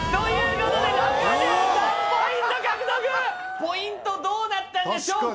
ポイントどうなったんでしょうか？